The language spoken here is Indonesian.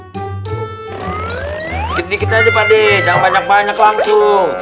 dikit dikit aja padeh jangan banyak banyak langsung